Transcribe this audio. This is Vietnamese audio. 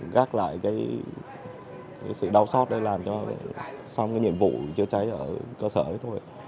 gác lại cái sự đau xót đấy làm cho xong cái nhiệm vụ chữa cháy ở cơ sở đấy thôi